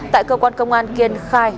tại cơ quan công an kiên khai